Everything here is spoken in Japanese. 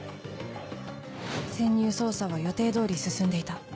潜入捜査は予定通り進んでいた